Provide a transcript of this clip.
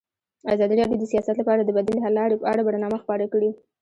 ازادي راډیو د سیاست لپاره د بدیل حل لارې په اړه برنامه خپاره کړې.